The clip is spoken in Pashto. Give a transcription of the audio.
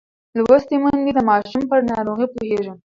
لوستې میندې د ماشوم پر ناروغۍ پوهېږي.